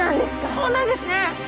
そうなんですね。